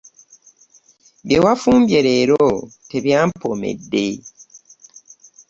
Bye wafumbye leero tebyampoomedde.